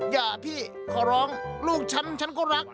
อย่าพี่ขอร้องลูกฉันฉันก็รัก